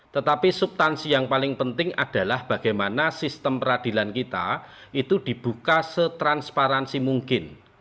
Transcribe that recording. tetapi subtansi yang paling penting adalah bagaimana sistem peradilan kita itu dibuka setransparansi mungkin